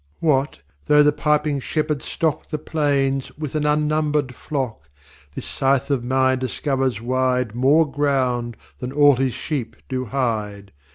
VII What, though the piping Shepherd stock The plains with an unnumber'd Flock, This Sithe of mine discovers wide More ground than all his Sheep do hide.